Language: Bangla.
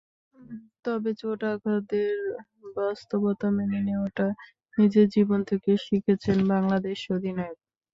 তবে চোট-আঘাতের বাস্তবতা মেনে নেওয়াটা নিজের জীবন থেকেই শিখেছেন বাংলাদেশ অধিনায়ক।